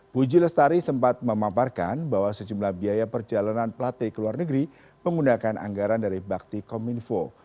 puji lestari sempat memaparkan bahwa sejumlah biaya perjalanan plate ke luar negeri menggunakan anggaran dari bakti kominfo